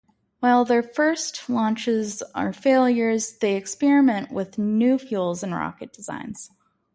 While their first launches are failures, they experiment with new fuels and rocket designs.